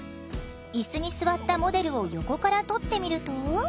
イスに座ったモデルを横から撮ってみると。